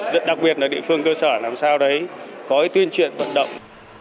rất đặc biệt là địa phương cơ sở làm sao đấy có cái tuyên truyền vận động